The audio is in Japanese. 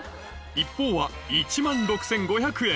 一方は１万６５００円